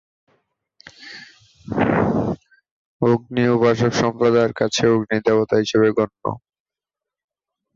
অগ্নি-উপাসক সম্প্রদায়ের কাছে অগ্নি দেবতা হিসেবে গণ্য।